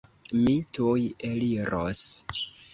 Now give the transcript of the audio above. Mi tuj eliros!